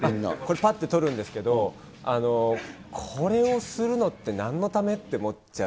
ぱっと撮るんですけど、これをするのってなんのためって思っちゃう。